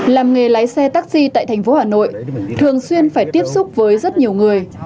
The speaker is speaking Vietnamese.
làm nghề lái xe taxi tại thành phố hà nội thường xuyên phải tiếp xúc với rất nhiều người